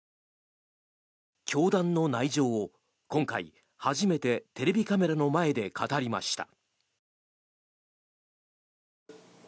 教団の内情を今回初めてテレビカメラの前で語りました。